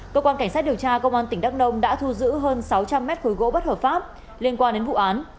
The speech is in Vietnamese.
cơ quan cảnh sát điều tra công an tỉnh đắk nông đã thu giữ hơn sáu trăm linh mét khối gỗ bất hợp pháp liên quan đến vụ án